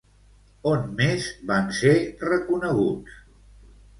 On més van ser reconeguts?